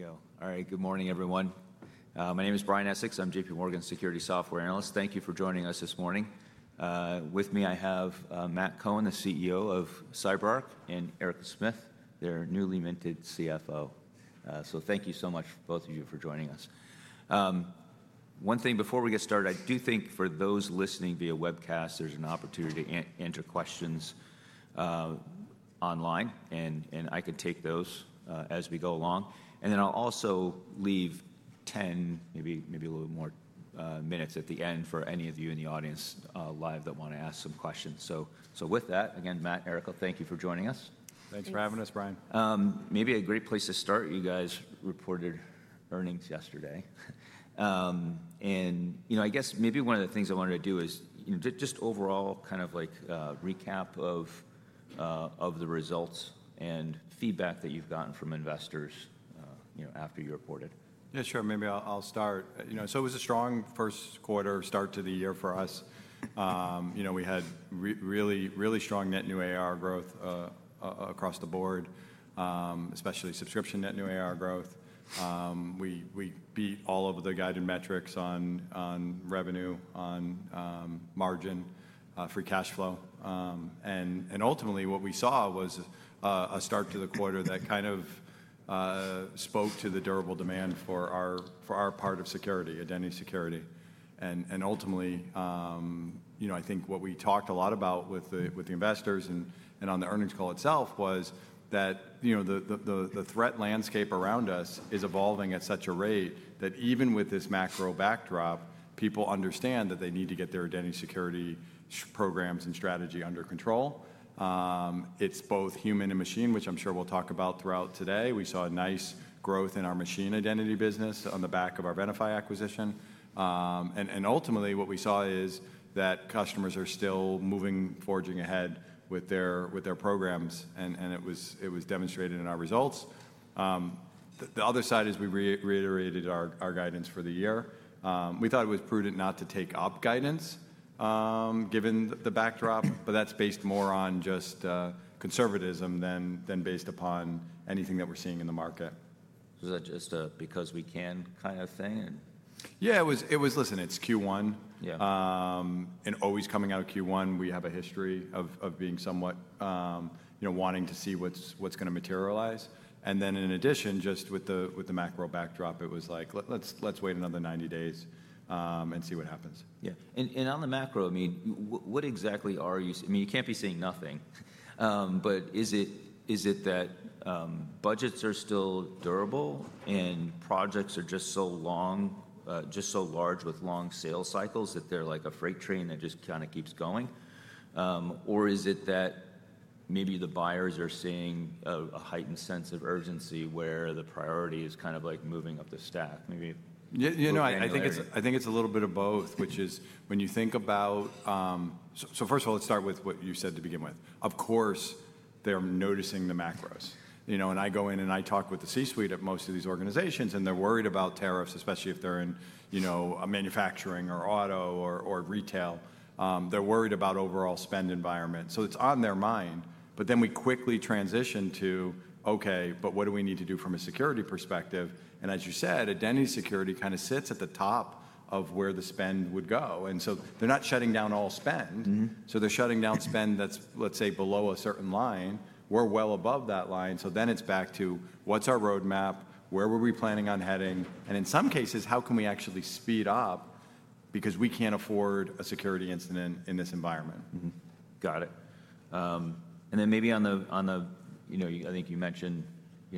All right, here we go. All right, good morning, everyone. My name is Brian Essex. I'm JPMorgan Security Software Analyst. Thank you for joining us this morning. With me, I have Matt Cohen, the CEO of CyberArk, and Ehud Smith, their newly minted CFO. Thank you so much, both of you, for joining us. One thing before we get started, I do think for those listening via webcast, there's an opportunity to enter questions online, and I can take those as we go along. I'll also leave 10, maybe a little more minutes at the end for any of you in the audience live that want to ask some questions. With that, again, Matt, Ehud, thank you for joining us. Thanks for having us, Brian. Maybe a great place to start, you guys reported earnings yesterday. I guess maybe one of the things I wanted to do is just overall kind of like recap of the results and feedback that you've gotten from investors after you reported. Yeah, sure. Maybe I'll start. It was a strong first quarter start to the year for us. We had really, really strong net new ARR growth across the board, especially subscription net new ARR growth. We beat all of the guided metrics on revenue, on margin, free cash flow. Ultimately, what we saw was a start to the quarter that kind of spoke to the durable demand for our part of security, identity security. Ultimately, I think what we talked a lot about with the investors and on the earnings call itself was that the threat landscape around us is evolving at such a rate that even with this macro backdrop, people understand that they need to get their identity security programs and strategy under control. It's both human and machine, which I'm sure we'll talk about throughout today. We saw a nice growth in our machine identity business on the back of our Venafi acquisition. Ultimately, what we saw is that customers are still moving, forging ahead with their programs, and it was demonstrated in our results. The other side is we reiterated our guidance for the year. We thought it was prudent not to take up guidance given the backdrop, but that's based more on just conservatism than based upon anything that we're seeing in the market. Was that just a because we can kind of thing? Yeah, it was, listen, it's Q1. Always coming out of Q1, we have a history of being somewhat wanting to see what's going to materialize. In addition, just with the macro backdrop, it was like, let's wait another 90 days and see what happens. Yeah. On the macro, I mean, what exactly are you seeing? I mean, you can't be seeing nothing. Is it that budgets are still durable and projects are just so long, just so large with long sales cycles that they're like a freight train that just kind of keeps going? Is it that maybe the buyers are seeing a heightened sense of urgency where the priority is kind of like moving up the stack? Maybe. You know, I think it's a little bit of both, which is when you think about, so first of all, let's start with what you said to begin with. Of course, they're noticing the macros. I go in and I talk with the C-suite at most of these organizations, and they're worried about tariffs, especially if they're in manufacturing or auto or retail. They're worried about overall spend environment. It's on their mind. We quickly transition to, OK, what do we need to do from a security perspective? As you said, identity security kind of sits at the top of where the spend would go. They're not shutting down all spend. They're shutting down spend that's, let's say, below a certain line. We're well above that line. It's back to what's our roadmap? Where were we planning on heading? In some cases, how can we actually speed up because we can't afford a security incident in this environment? Got it. And then maybe on the, I think you mentioned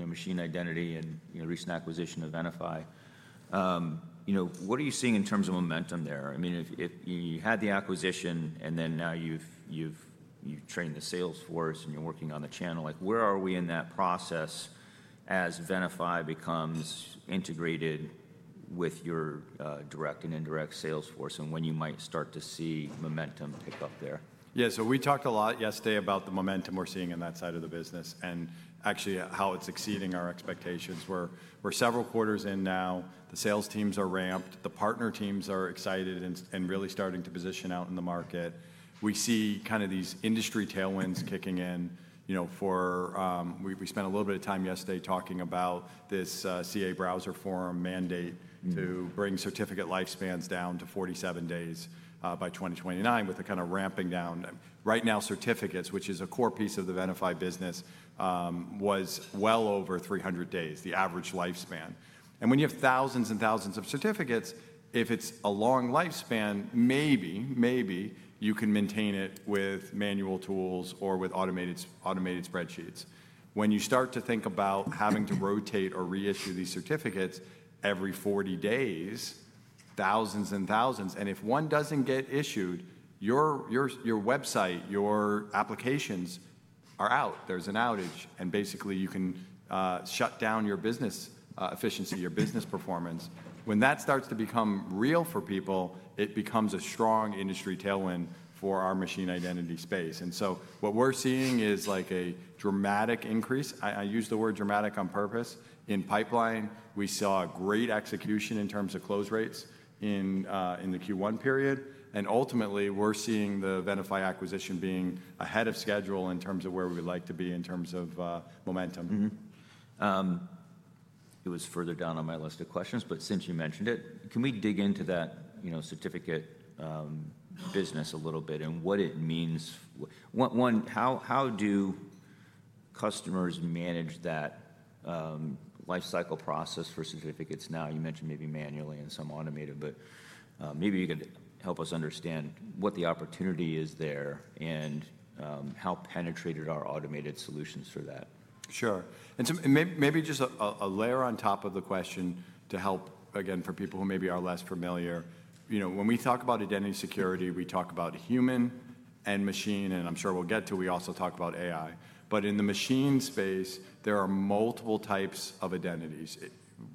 machine identity and recent acquisition of Venafi. What are you seeing in terms of momentum there? I mean, you had the acquisition, and then now you've trained the sales force, and you're working on the channel. Where are we in that process as Venafi becomes integrated with your direct and indirect sales force and when you might start to see momentum pick up there? Yeah, so we talked a lot yesterday about the momentum we're seeing in that side of the business and actually how it's exceeding our expectations. We're several quarters in now. The sales teams are ramped. The partner teams are excited and really starting to position out in the market. We see kind of these industry tailwinds kicking in for we spent a little bit of time yesterday talking about this CA Browser Forum mandate to bring certificate lifespans down to 47 days by 2029 with the kind of ramping down. Right now, certificates, which is a core piece of the Venafi business, was well over 300 days, the average lifespan. And when you have thousands and thousands of certificates, if it's a long lifespan, maybe, maybe you can maintain it with manual tools or with automated spreadsheets. When you start to think about having to rotate or reissue these certificates every 40 days, thousands and thousands, and if one does not get issued, your website, your applications are out. There is an outage. Basically, you can shut down your business efficiency, your business performance. When that starts to become real for people, it becomes a strong industry tailwind for our machine identity space. What we are seeing is like a dramatic increase. I use the word dramatic on purpose. In pipeline, we saw great execution in terms of close rates in the Q1 period. Ultimately, we are seeing the Venafi acquisition being ahead of schedule in terms of where we would like to be in terms of momentum. It was further down on my list of questions, but since you mentioned it, can we dig into that certificate business a little bit and what it means? One, how do customers manage that lifecycle process for certificates now? You mentioned maybe manually and some automated, but maybe you could help us understand what the opportunity is there and how penetrated are automated solutions for that? Sure. Maybe just a layer on top of the question to help, again, for people who maybe are less familiar. When we talk about identity security, we talk about human and machine, and I'm sure we'll get to, we also talk about AI. In the machine space, there are multiple types of identities,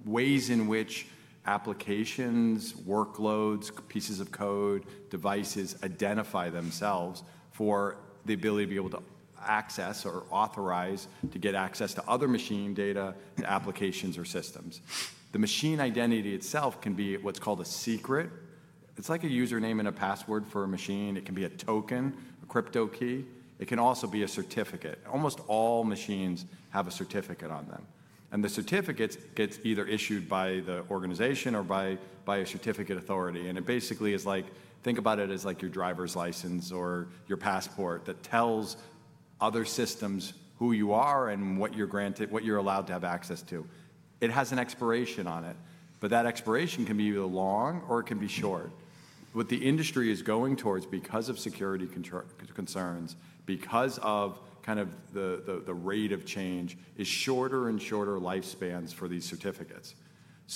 ways in which applications, workloads, pieces of code, devices identify themselves for the ability to be able to access or authorize to get access to other machine data, applications, or systems. The machine identity itself can be what's called a secret. It's like a username and a password for a machine. It can be a token, a crypto key. It can also be a certificate. Almost all machines have a certificate on them. The certificate gets either issued by the organization or by a certificate authority. It basically is like, think about it as like your driver's license or your passport that tells other systems who you are and what you're allowed to have access to. It has an expiration on it, but that expiration can be either long or it can be short. What the industry is going towards because of security concerns, because of kind of the rate of change, is shorter and shorter lifespans for these certificates.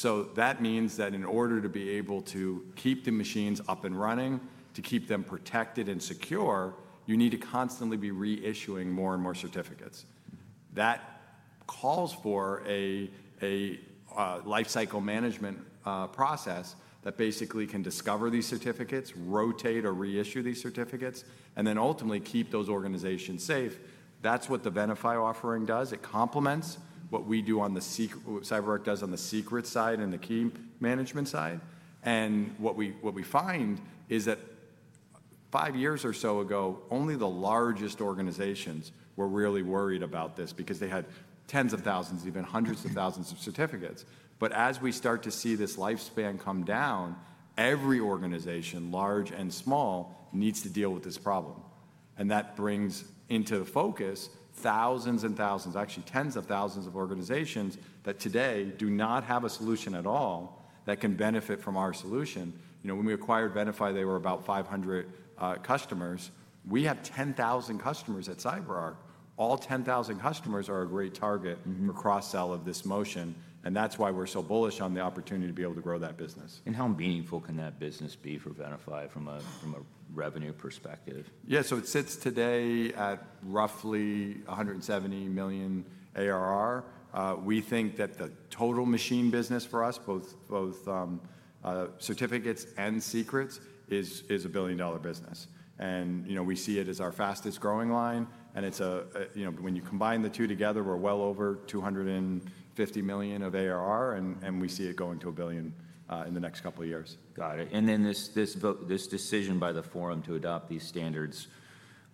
That means that in order to be able to keep the machines up and running, to keep them protected and secure, you need to constantly be reissuing more and more certificates. That calls for a lifecycle management process that basically can discover these certificates, rotate or reissue these certificates, and then ultimately keep those organizations safe. That's what the Venafi offering does. It complements what we do on the CyberArk does on the secret side and the key management side. What we find is that five years or so ago, only the largest organizations were really worried about this because they had tens of thousands, even hundreds of thousands of certificates. As we start to see this lifespan come down, every organization, large and small, needs to deal with this problem. That brings into focus thousands and thousands, actually tens of thousands of organizations that today do not have a solution at all that can benefit from our solution. When we acquired Venafi, they were about 500 customers. We have 10,000 customers at CyberArk. All 10,000 customers are a great target for cross-sell of this motion. That is why we are so bullish on the opportunity to be able to grow that business. How meaningful can that business be for Venafi from a revenue perspective? Yeah, so it sits today at roughly $170 million ARR. We think that the total machine business for us, both certificates and secrets, is a billion-dollar business. We see it as our fastest growing line. When you combine the two together, we're well over $250 million of ARR, and we see it going to a billion in the next couple of years. Got it. This decision by the forum to adopt these standards,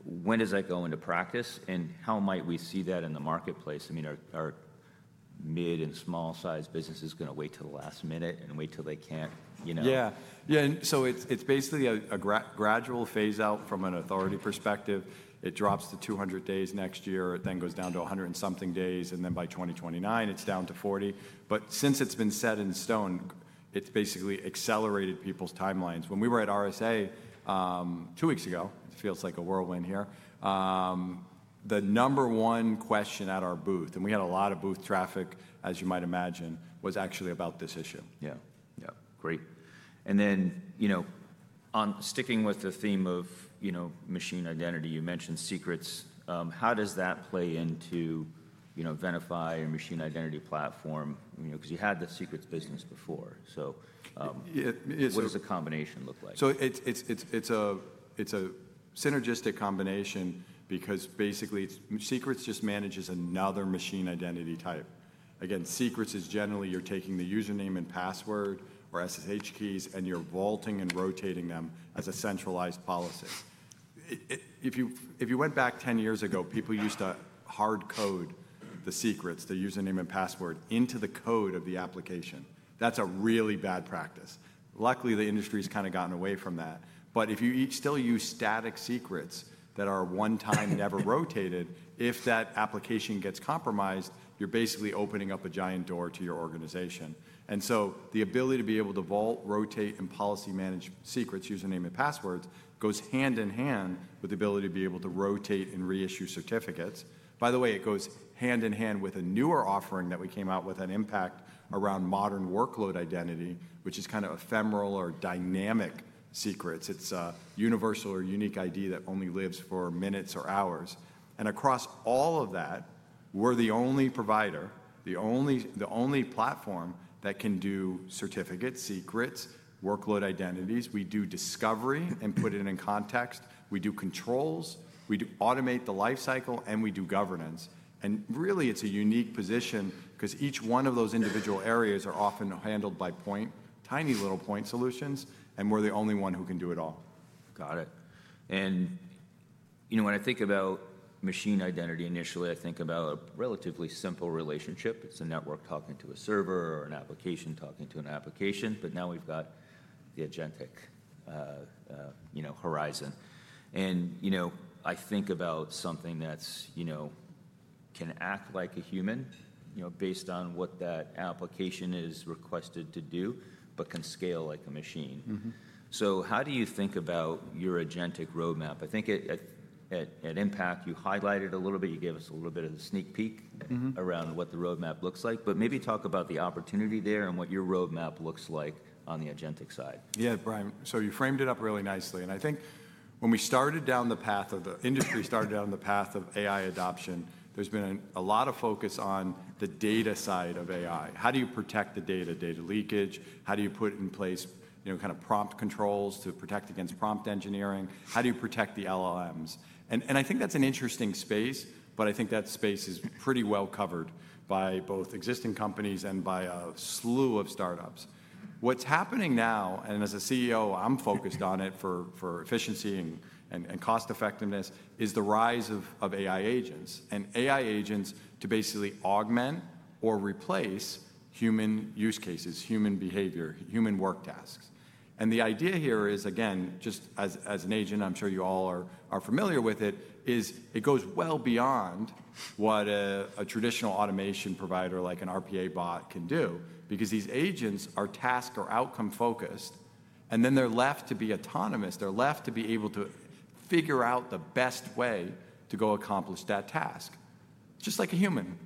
when does that go into practice? How might we see that in the marketplace? I mean, are mid and small-sized businesses going to wait till the last minute and wait till they can't? Yeah. Yeah, so it's basically a gradual phase-out from an authority perspective. It drops to 200 days next year, then goes down to 100 and something days, and then by 2029, it's down to 40. Since it's been set in stone, it's basically accelerated people's timelines. When we were at RSA two weeks ago, it feels like a whirlwind here, the number one question at our booth, and we had a lot of booth traffic, as you might imagine, was actually about this issue. Yeah. Yeah, great. Sticking with the theme of machine identity, you mentioned secrets. How does that play into Venafi and machine identity platform? Because you had the secrets business before. What does the combination look like? It is a synergistic combination because basically secrets just manages another machine identity type. Again, secrets is generally you're taking the username and password or SSH keys, and you're vaulting and rotating them as a centralized policy. If you went back 10 years ago, people used to hard code the secrets, the username and password, into the code of the application. That is a really bad practice. Luckily, the industry has kind of gotten away from that. If you still use static secrets that are one-time and never rotated, if that application gets compromised, you're basically opening up a giant door to your organization. The ability to be able to vault, rotate, and policy manage secrets, username and passwords goes hand in hand with the ability to be able to rotate and reissue certificates. By the way, it goes hand in hand with a newer offering that we came out with on impact around modern workload identity, which is kind of ephemeral or dynamic secrets. It is a universal or unique ID that only lives for minutes or hours. Across all of that, we are the only provider, the only platform that can do certificates, secrets, workload identities. We do discovery and put it in context. We do controls. We automate the lifecycle, and we do governance. It is a unique position because each one of those individual areas are often handled by point, tiny little point solutions, and we are the only one who can do it all. Got it. When I think about machine identity initially, I think about a relatively simple relationship. It is a network talking to a server or an application talking to an application. Now we have the agentic horizon. I think about something that can act like a human based on what that application is requested to do but can scale like a machine. How do you think about your agentic roadmap? I think at impact, you highlighted a little bit. You gave us a little bit of a sneak peek around what the roadmap looks like. Maybe talk about the opportunity there and what your roadmap looks like on the agentic side. Yeah, Brian, you framed it up really nicely. I think when we started down the path of the industry, started down the path of AI adoption, there's been a lot of focus on the data side of AI. How do you protect the data? Data leakage? How do you put in place kind of prompt controls to protect against prompt engineering? How do you protect the LLMs? I think that's an interesting space, but I think that space is pretty well covered by both existing companies and by a slew of startups. What's happening now, and as a CEO, I'm focused on it for efficiency and cost effectiveness, is the rise of AI agents. AI agents to basically augment or replace human use cases, human behavior, human work tasks. The idea here is, again, just as an agent, I'm sure you all are familiar with it, is it goes well beyond what a traditional automation provider like an RPA bot can do because these agents are task or outcome focused, and then they're left to be autonomous. They're left to be able to figure out the best way to go accomplish that task, just like a human.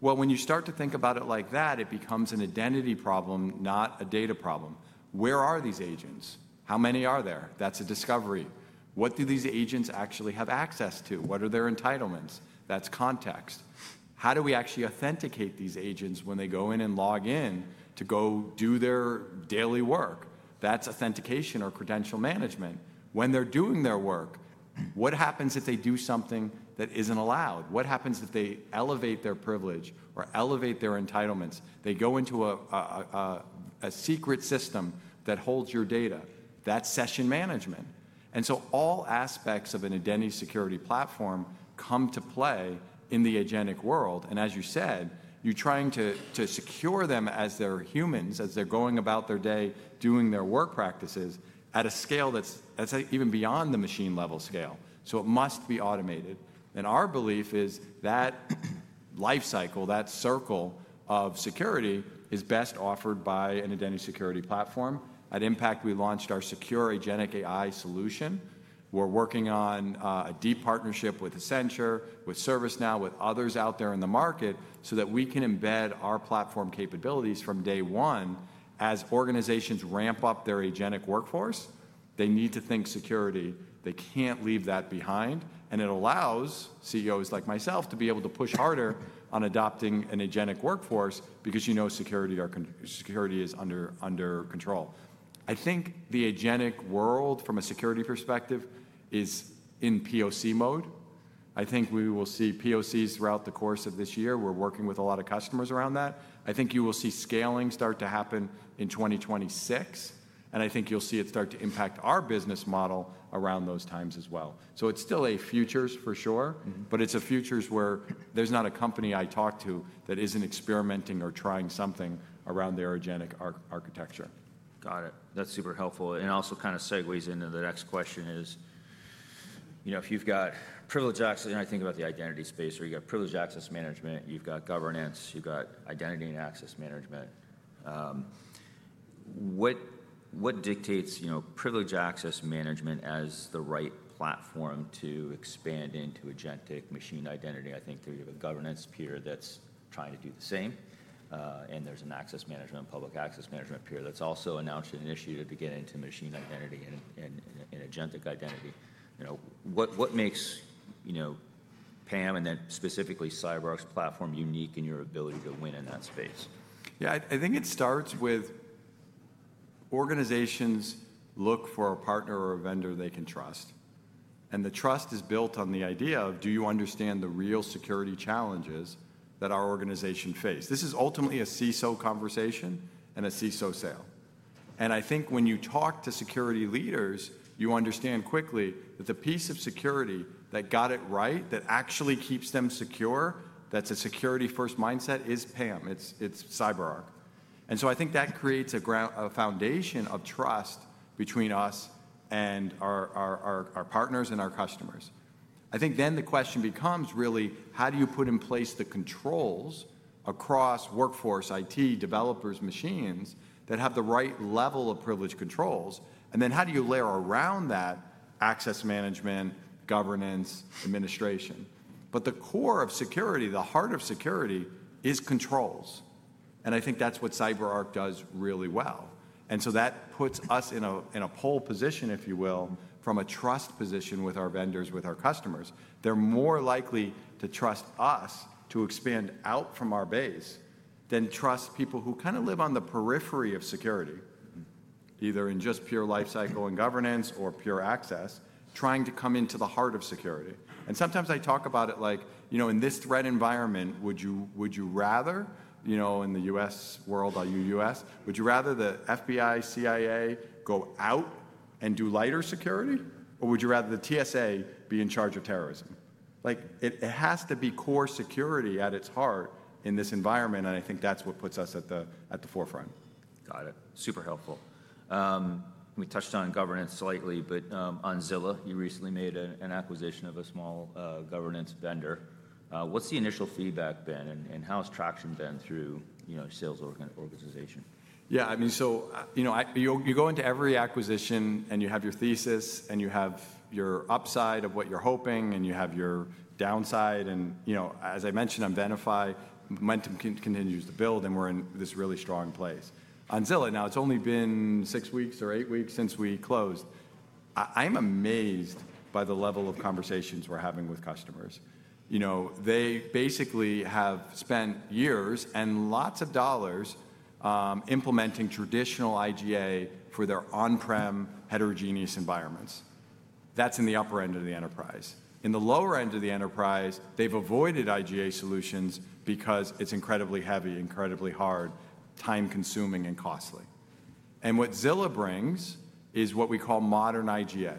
When you start to think about it like that, it becomes an identity problem, not a data problem. Where are these agents? How many are there? That's a discovery. What do these agents actually have access to? What are their entitlements? That's context. How do we actually authenticate these agents when they go in and log in to go do their daily work? That's authentication or credential management. When they're doing their work, what happens if they do something that isn't allowed? What happens if they elevate their privilege or elevate their entitlements? They go into a secret system that holds your data. That's session management. All aspects of an identity security platform come to play in the agentic world. As you said, you're trying to secure them as they're humans, as they're going about their day, doing their work practices at a scale that's even beyond the machine level scale. It must be automated. Our belief is that lifecycle, that circle of security, is best offered by an identity security platform. At Impact, we launched our Secure Agentic AI solution. We're working on a deep partnership with Accenture, with ServiceNow, with others out there in the market so that we can embed our platform capabilities from day one as organizations ramp up their agentic workforce. They need to think security. They can't leave that behind. It allows CEOs like myself to be able to push harder on adopting an agentic workforce because you know security is under control. I think the agentic world from a security perspective is in POC mode. I think we will see POCs throughout the course of this year. We're working with a lot of customers around that. I think you will see scaling start to happen in 2026. I think you'll see it start to impact our business model around those times as well. It's still a futures for sure, but it's a futures where there's not a company I talk to that isn't experimenting or trying something around their agentic architecture. Got it. That's super helpful. Also kind of segues into the next question is, if you've got privileged access, and I think about the identity space, or you've got privileged access management, you've got governance, you've got identity and access management. What dictates privileged access management as the right platform to expand into agentic machine identity? I think there's a governance peer that's trying to do the same. And there's an access management, public access management peer that's also announced an initiative to get into machine identity and agentic identity. What makes PAM and then specifically CyberArk's platform unique in your ability to win in that space? Yeah, I think it starts with organizations look for a partner or a vendor they can trust. The trust is built on the idea of, do you understand the real security challenges that our organization faced? This is ultimately a CISO conversation and a CISO sale. I think when you talk to security leaders, you understand quickly that the piece of security that got it right, that actually keeps them secure, that's a security-first mindset, is PAM. It's CyberArk. I think that creates a foundation of trust between us and our partners and our customers. I think then the question becomes really, how do you put in place the controls across workforce, IT, developers, machines that have the right level of privilege controls? How do you layer around that access management, governance, administration? The core of security, the heart of security is controls. I think that's what CyberArk does really well. That puts us in a pole position, if you will, from a trust position with our vendors, with our customers. They're more likely to trust us to expand out from our base than trust people who kind of live on the periphery of security, either in just pure lifecycle and governance or pure access, trying to come into the heart of security. Sometimes I talk about it like, in this threat environment, would you rather, in the U.S. world, U.S., would you rather the FBI, CIA go out and do lighter security, or would you rather the TSA be in charge of terrorism? It has to be core security at its heart in this environment. I think that's what puts us at the forefront. Got it. Super helpful. We touched on governance slightly, but on Zilla, you recently made an acquisition of a small governance vendor. What's the initial feedback been and how has traction been through sales organization? Yeah, I mean, you go into every acquisition and you have your thesis and you have your upside of what you're hoping and you have your downside. As I mentioned, on Venafi, momentum continues to build and we're in this really strong place. On Zilla, now it's only been six weeks or eight weeks since we closed. I'm amazed by the level of conversations we're having with customers. They basically have spent years and lots of dollars implementing traditional IGA for their on-prem heterogeneous environments. That's in the upper end of the enterprise. In the lower end of the enterprise, they've avoided IGA solutions because it's incredibly heavy, incredibly hard, time-consuming, and costly. What Zilla brings is what we call modern IGA.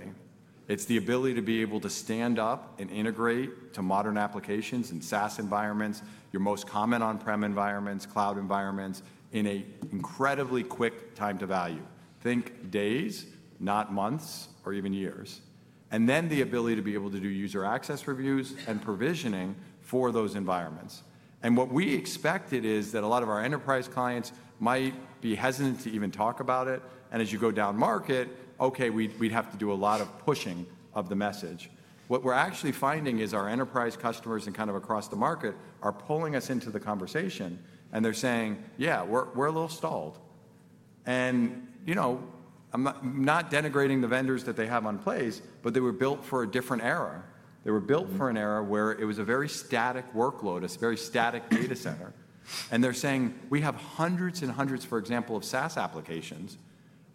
It's the ability to be able to stand up and integrate to modern applications and SaaS environments, your most common on-prem environments, cloud environments in an incredibly quick time to value. Think days, not months or even years. The ability to be able to do user access reviews and provisioning for those environments. What we expected is that a lot of our enterprise clients might be hesitant to even talk about it. As you go down market, okay, we'd have to do a lot of pushing of the message. What we're actually finding is our enterprise customers and kind of across the market are pulling us into the conversation. They're saying, yeah, we're a little stalled. I'm not denigrating the vendors that they have on place, but they were built for a different era. They were built for an era where it was a very static workload. It's a very static data center. They're saying, we have hundreds and hundreds, for example, of SaaS applications,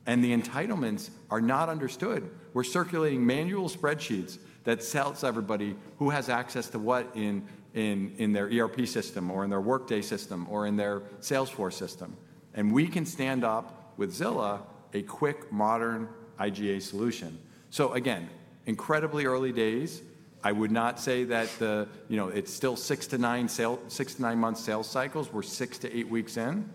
and the entitlements are not understood. We're circulating manual spreadsheets that tells everybody who has access to what in their ERP system or in their Workday system or in their Salesforce system. We can stand up with Zilla a quick, modern IGA solution. Again, incredibly early days. I would not say that it's still six to nine months sales cycles. We're six to eight weeks in.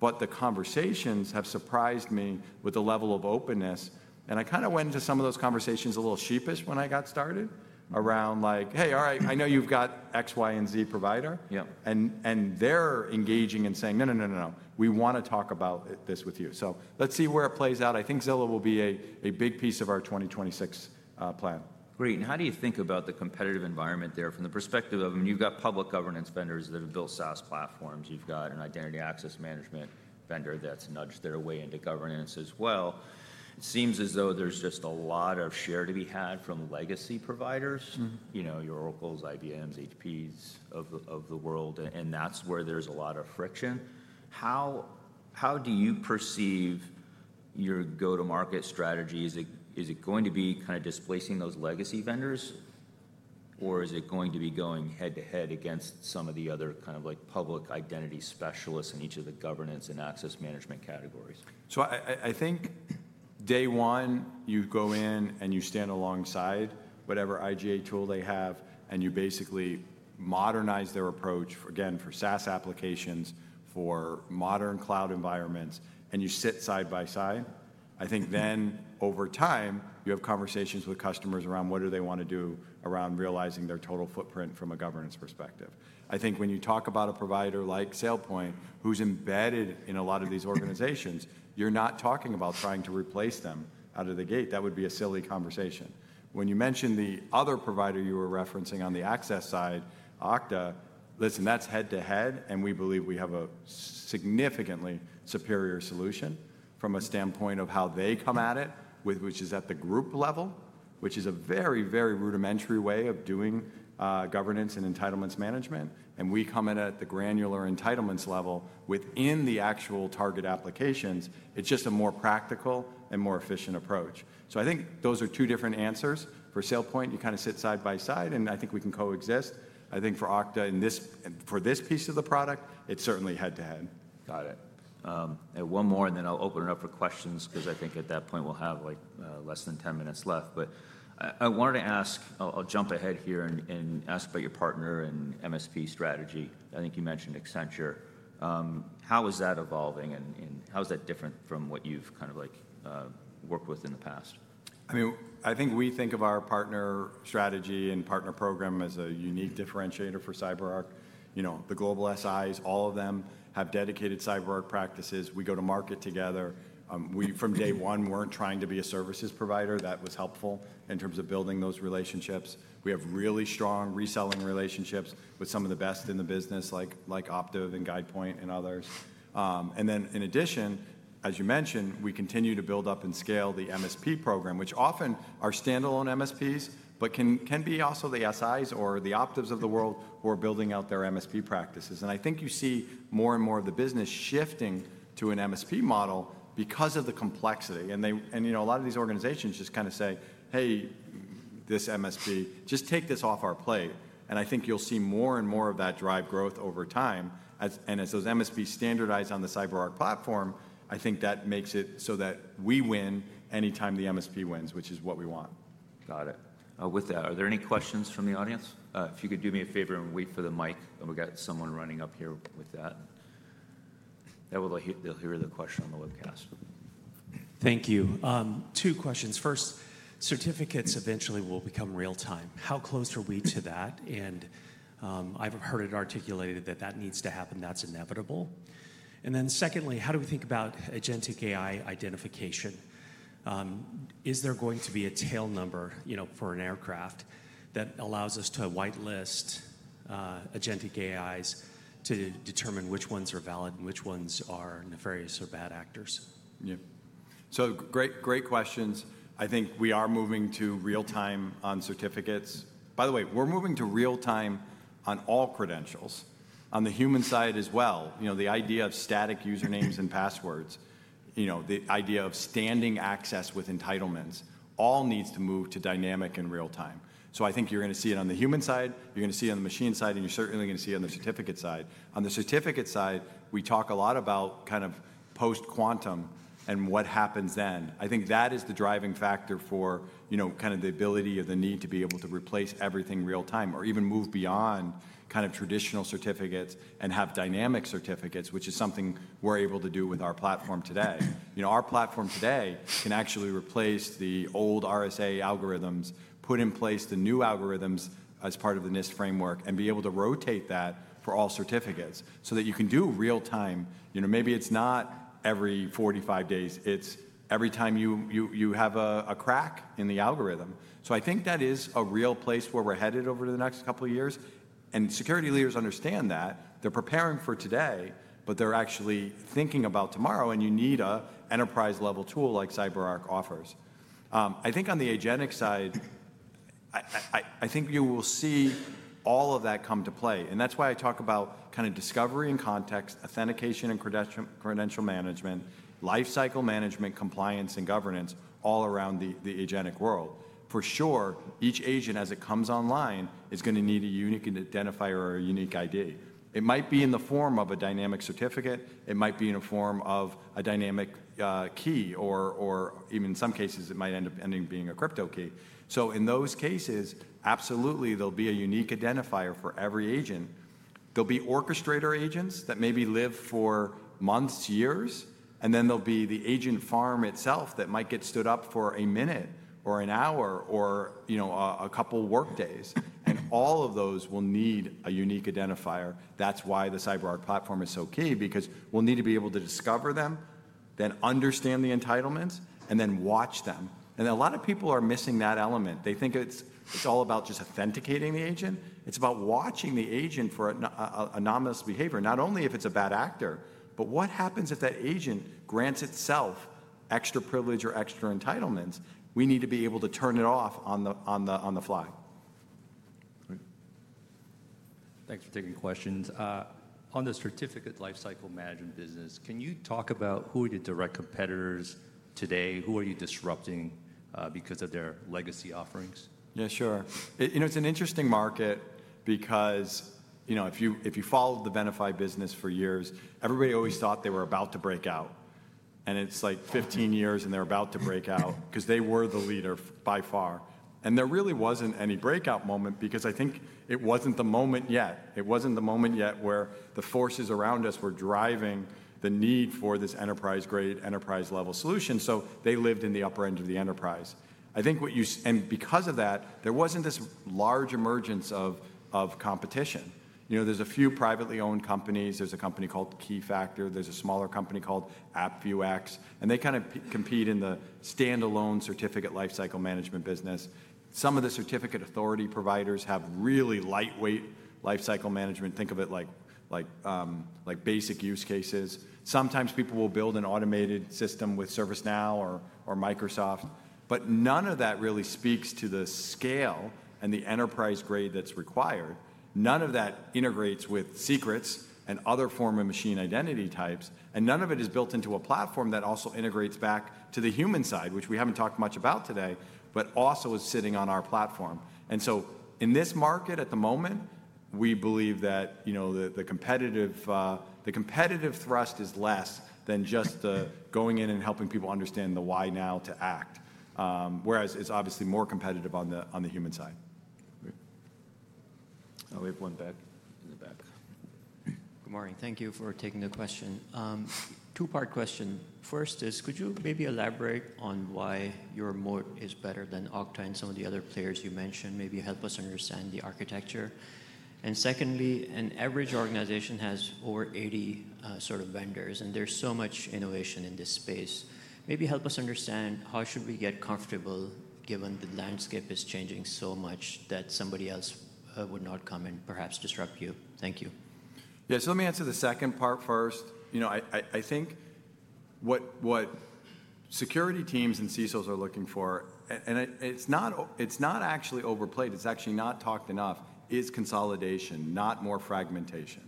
The conversations have surprised me with the level of openness. I kind of went into some of those conversations a little sheepish when I got started around like, hey, all right, I know you've got X, Y, and Z provider. They are engaging and saying, no, no, no, no, no. We want to talk about this with you. Let's see where it plays out. I think Zilla will be a big piece of our 2026 plan. Great. How do you think about the competitive environment there from the perspective of, I mean, you've got public governance vendors that have built SaaS platforms. You've got an identity access management vendor that's nudged their way into governance as well. It seems as though there's just a lot of share to be had from legacy providers, your Oracles, IBMs, HPs of the world. That's where there's a lot of friction. How do you perceive your go-to-market strategy? Is it going to be kind of displacing those legacy vendors, or is it going to be going head to head against some of the other kind of public identity specialists in each of the governance and access management categories? I think day one, you go in and you stand alongside whatever IGA tool they have, and you basically modernize their approach, again, for SaaS applications, for modern cloud environments, and you sit side by side. I think then over time, you have conversations with customers around what do they want to do around realizing their total footprint from a governance perspective. I think when you talk about a provider like SailPoint, who's embedded in a lot of these organizations, you're not talking about trying to replace them out of the gate. That would be a silly conversation. When you mentioned the other provider you were referencing on the access side, Okta, listen, that's head to head, and we believe we have a significantly superior solution from a standpoint of how they come at it, which is at the group level, which is a very, very rudimentary way of doing governance and entitlements management. We come in at the granular entitlements level within the actual target applications. It's just a more practical and more efficient approach. I think those are two different answers. For SailPoint, you kind of sit side by side, and I think we can coexist. I think for Okta and for this piece of the product, it's certainly head to head. Got it. One more, and then I'll open it up for questions because I think at that point we'll have less than 10 minutes left. I wanted to ask, I'll jump ahead here and ask about your partner and MSP strategy. I think you mentioned Accenture. How is that evolving, and how is that different from what you've kind of worked with in the past? I mean, I think we think of our partner strategy and partner program as a unique differentiator for CyberArk. The global SIs, all of them have dedicated CyberArk practices. We go to market together. We from day one weren't trying to be a services provider. That was helpful in terms of building those relationships. We have really strong reselling relationships with some of the best in the business, like Optiv and GuidePoint and others. In addition, as you mentioned, we continue to build up and scale the MSP program, which often are standalone MSPs, but can be also the SIs or the Optivs of the world who are building out their MSP practices. I think you see more and more of the business shifting to an MSP model because of the complexity. A lot of these organizations just kind of say, hey, this MSP, just take this off our plate. I think you'll see more and more of that drive growth over time. As those MSPs standardize on the CyberArk platform, I think that makes it so that we win anytime the MSP wins, which is what we want. Got it. With that, are there any questions from the audience? If you could do me a favor and wait for the mic, and we've got someone running up here with that. That way they'll hear the question on the webcast. Thank you. Two questions. First, certificates eventually will become real-time. How close are we to that? I have heard it articulated that that needs to happen. That is inevitable. Secondly, how do we think about agentic AI identification? Is there going to be a tail number for an aircraft that allows us to whitelist agentic AIs to determine which ones are valid and which ones are nefarious or bad actors? Yeah. Great questions. I think we are moving to real-time on certificates. By the way, we're moving to real-time on all credentials. On the human side as well, the idea of static usernames and passwords, the idea of standing access with entitlements, all needs to move to dynamic and real-time. I think you're going to see it on the human side. You're going to see it on the machine side, and you're certainly going to see it on the certificate side. On the certificate side, we talk a lot about kind of post-quantum and what happens then. I think that is the driving factor for kind of the ability or the need to be able to replace everything real-time or even move beyond kind of traditional certificates and have dynamic certificates, which is something we're able to do with our platform today. Our platform today can actually replace the old RSA algorithms, put in place the new algorithms as part of the NIST framework, and be able to rotate that for all certificates so that you can do real-time. Maybe it's not every 45 days. It's every time you have a crack in the algorithm. I think that is a real place where we're headed over the next couple of years. Security leaders understand that. They're preparing for today, but they're actually thinking about tomorrow, and you need an enterprise-level tool like CyberArk offers. I think on the agentic side, you will see all of that come to play. That is why I talk about kind of discovery and context, authentication and credential management, lifecycle management, compliance, and governance all around the agentic world. For sure, each agent as it comes online is going to need a unique identifier or a unique ID. It might be in the form of a dynamic certificate. It might be in the form of a dynamic key, or even in some cases, it might end up being a crypto key. In those cases, absolutely, there will be a unique identifier for every agent. There will be orchestrator agents that maybe live for months, years. There will be the agent farm itself that might get stood up for a minute or an hour or a couple of workdays. All of those will need a unique identifier. That is why the CyberArk platform is so key because we will need to be able to discover them, then understand the entitlements, and then watch them. A lot of people are missing that element. They think it's all about just authenticating the agent. It's about watching the agent for anomalous behavior, not only if it's a bad actor, but what happens if that agent grants itself extra privilege or extra entitlements? We need to be able to turn it off on the fly. Thanks for taking questions. On the certificate lifecycle management business, can you talk about who are your direct competitors today? Who are you disrupting because of their legacy offerings? Yeah, sure. It's an interesting market because if you followed the Venafi business for years, everybody always thought they were about to break out. It's like 15 years and they're about to break out because they were the leader by far. There really wasn't any breakout moment because I think it wasn't the moment yet. It wasn't the moment yet where the forces around us were driving the need for this enterprise-grade, enterprise-level solution. They lived in the upper end of the enterprise. I think what you and because of that, there wasn't this large emergence of competition. There's a few privately owned companies. There's a company called Keyfactor. There's a smaller company called AppViewX. They kind of compete in the standalone certificate lifecycle management business. Some of the certificate authority providers have really lightweight lifecycle management. Think of it like basic use cases. Sometimes people will build an automated system with ServiceNow or Microsoft. None of that really speaks to the scale and the enterprise grade that's required. None of that integrates with secrets and other form of machine identity types. None of it is built into a platform that also integrates back to the human side, which we haven't talked much about today, but also is sitting on our platform. In this market at the moment, we believe that the competitive thrust is less than just going in and helping people understand the why now to act, whereas it's obviously more competitive on the human side. I'll leave one back in the back. Good morning. Thank you for taking the question. Two-part question. First is, could you maybe elaborate on why your moat is better than Okta and some of the other players you mentioned? Maybe help us understand the architecture. Secondly, an average organization has over 80 sort of vendors, and there is so much innovation in this space. Maybe help us understand how should we get comfortable given the landscape is changing so much that somebody else would not come and perhaps disrupt you. Thank you. Yeah, so let me answer the second part first. I think what security teams and CISOs are looking for, and it's not actually overplayed. It's actually not talked enough, is consolidation, not more fragmentation.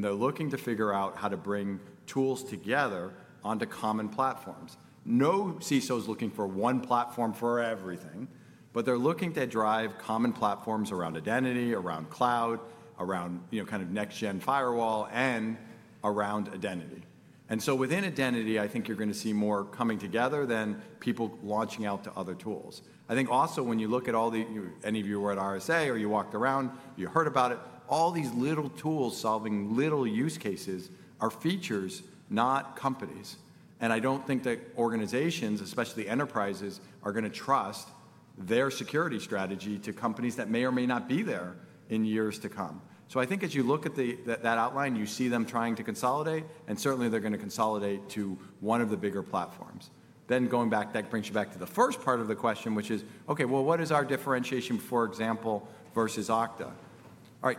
They're looking to figure out how to bring tools together onto common platforms. No CISO is looking for one platform for everything, but they're looking to drive common platforms around identity, around cloud, around kind of next-gen firewall, and around identity. Within identity, I think you're going to see more coming together than people launching out to other tools. I think also when you look at all the any of you who are at RSA or you walked around, you heard about it, all these little tools solving little use cases are features, not companies. I don't think that organizations, especially enterprises, are going to trust their security strategy to companies that may or may not be there in years to come. I think as you look at that outline, you see them trying to consolidate, and certainly they're going to consolidate to one of the bigger platforms. Going back, that brings you back to the first part of the question, which is, okay, what is our differentiation, for example, versus Okta?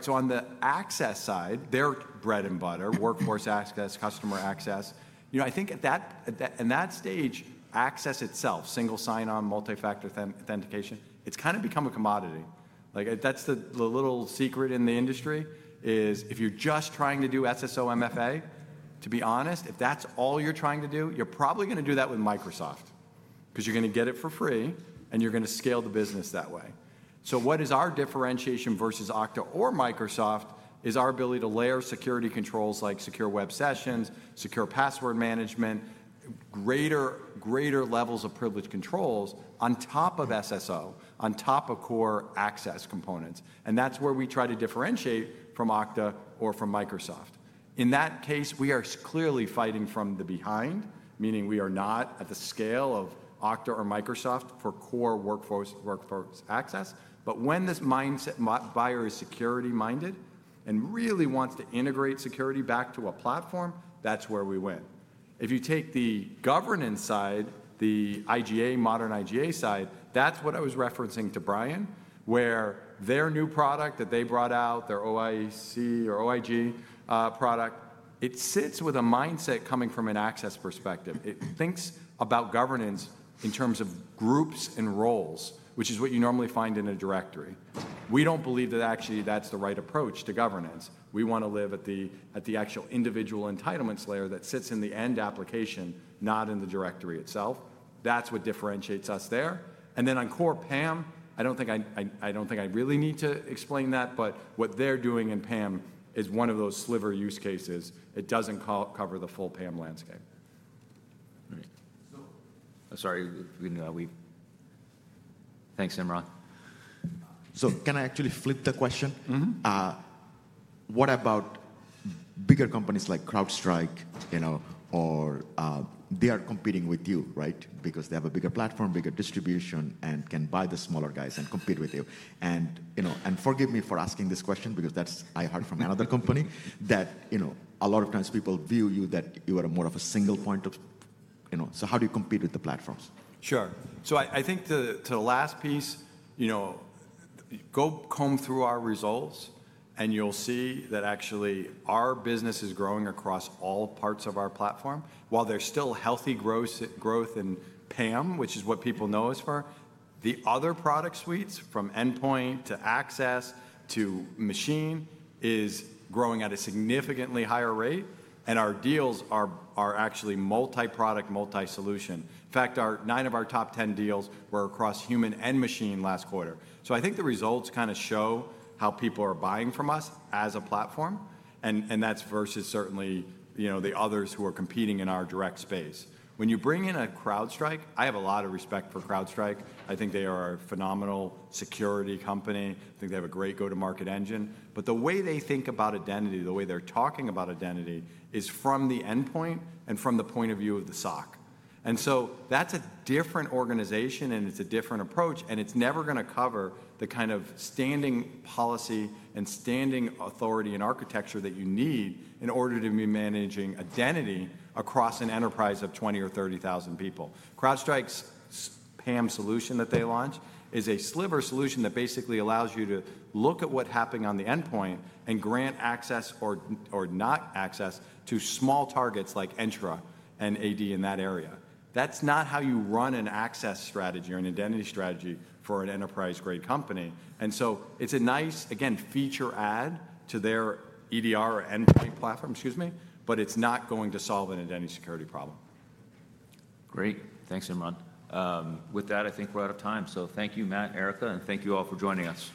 On the access side, their bread and butter, workforce access, customer access, I think at that stage, access itself, single sign-on, multi-factor authentication, it's kind of become a commodity. That's the little secret in the industry is if you're just trying to do SSO MFA, to be honest, if that's all you're trying to do, you're probably going to do that with Microsoft because you're going to get it for free, and you're going to scale the business that way. What is our differentiation versus Okta or Microsoft is our ability to layer security controls like secure web sessions, secure password management, greater levels of privilege controls on top of SSO, on top of core access components. That's where we try to differentiate from Okta or from Microsoft. In that case, we are clearly fighting from the behind, meaning we are not at the scale of Okta or Microsoft for core workforce access. When this buyer is security-minded and really wants to integrate security back to a platform, that's where we win. If you take the governance side, the modern IGA side, that's what I was referencing to Brian, where their new product that they brought out, their OIC or OIG product, it sits with a mindset coming from an access perspective. It thinks about governance in terms of groups and roles, which is what you normally find in a directory. We don't believe that actually that's the right approach to governance. We want to live at the actual individual entitlements layer that sits in the end application, not in the directory itself. That's what differentiates us there. On core PAM, I don't think I really need to explain that, but what they're doing in PAM is one of those sliver use cases. It doesn't cover the full PAM landscape. Sorry. Thanks, Imran. Can I actually flip the question? What about bigger companies like CrowdStrike? They are competing with you, right? Because they have a bigger platform, bigger distribution, and can buy the smaller guys and compete with you. Forgive me for asking this question because I heard from another company that a lot of times people view you that you are more of a single point of, so how do you compete with the platforms? Sure. I think to the last piece, go comb through our results and you'll see that actually our business is growing across all parts of our platform. While there's still healthy growth in PAM, which is what people know us for, the other product suites from endpoint to access to machine is growing at a significantly higher rate. Our deals are actually multi-product, multi-solution. In fact, nine of our top 10 deals were across human and machine last quarter. I think the results kind of show how people are buying from us as a platform. That's versus certainly the others who are competing in our direct space. When you bring in a CrowdStrike, I have a lot of respect for CrowdStrike. I think they are a phenomenal security company. I think they have a great go-to-market engine. The way they think about identity, the way they're talking about identity is from the endpoint and from the point of view of the SOC. That is a different organization and it is a different approach. It is never going to cover the kind of standing policy and standing authority and architecture that you need in order to be managing identity across an enterprise of 20,000 or 30,000 people. CrowdStrike's PAM solution that they launched is a sliver solution that basically allows you to look at what's happening on the endpoint and grant access or not access to small targets like Entra and AD in that area. That is not how you run an access strategy or an identity strategy for an enterprise-grade company. It is a nice, again, feature add to their EDR or endpoint platform, excuse me, but it is not going to solve an identity security problem. Great. Thanks, Imran. With that, I think we're out of time. So thank you, Matt, Erica, and thank you all for joining us.